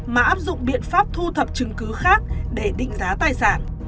mà áp dụng biện pháp thu thập chứng cứ khác để định giá tài sản